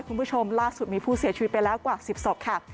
คุณผู้ชมล่าสุดมีผู้เสียชีวิตไปแล้วกว่า๑๐ศพค่ะ